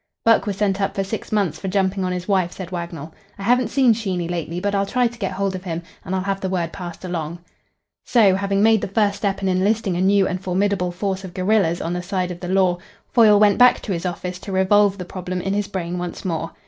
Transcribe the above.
"Buck was sent up for six months for jumping on his wife," said Wagnell. "I haven't seen Sheeny lately, but I'll try to get hold of him, and I'll have the word passed along." So, having made the first step in enlisting a new and formidable force of guerillas on the side of the law, Foyle went back to his office to revolve the problem in his brain once more.